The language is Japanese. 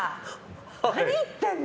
何言ってるの？